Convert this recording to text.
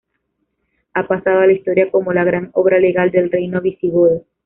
Ha pasado a la historia como la gran obra legal del reino visigodo.